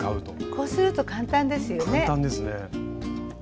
こうすると簡単ですよね。